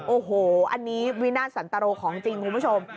โอ้โหอันนี้วินาทสันตรโรของจริงคุณผู้ชม